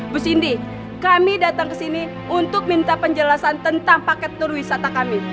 bu sindi kami datang ke sini untuk minta penjelasan tentang paket tur wisata kami